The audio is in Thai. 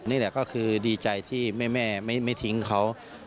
นี่แหละก็คือดีใจที่แม่ไม่ทิ้งเขา